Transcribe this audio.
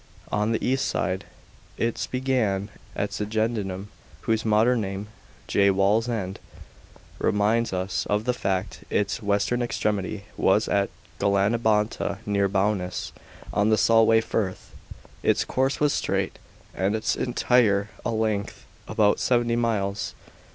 On the east side its began at Segedunum, whose modern name, Jj Walls end, reminds us of the fact ; its g western extremity was at Glannibanta \ (near Bowness) on the Solway Firth. I Its course was straight, and its entire a length about seventy miles.